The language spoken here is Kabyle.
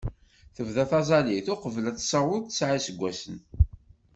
Tebda taẓẓalit uqbel ad tessaweḍ tesɛa n yiseggasen.